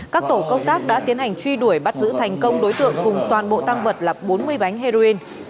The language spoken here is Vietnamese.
các tổ công tác đã tiến hành truy đuổi bắt giữ thành công đối tượng cùng toàn bộ tăng vật là bốn mươi bánh heroin